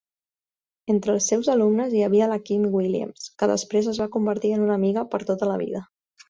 Entre els seus alumnes hi havia la Kim Williams, que després es va convertir en una amiga per a tota la vida.